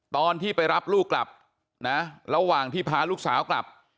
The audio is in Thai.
ตอนที่ไปรับลูกกลับนะระหว่างที่พาลูกสาวกลับ